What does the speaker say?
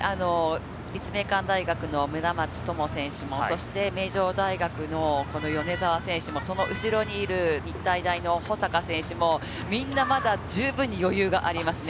立命館大学の村松灯選手も名城大学の米澤選手もその後ろにいる日体大の保坂選手もみんなまだ十分に余裕がありますね。